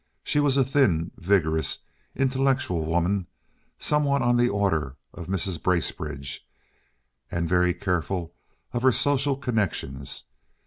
She was a thin, vigorous, intellectual woman, somewhat on the order of Mrs. Bracebridge, and very careful of her social connections.